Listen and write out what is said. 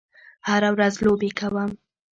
هره ورځ لوبې کوم